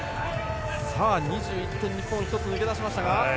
さあ、２１点日本１つ抜け出しました。